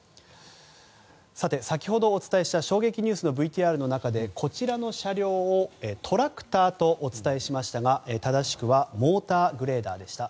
先ほどお伝えした衝撃ニュースのＶＴＲの中でこちらの車両をトラクターとお伝えしましたが正しくはモーターグレーダーでした。